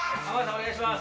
お願いします。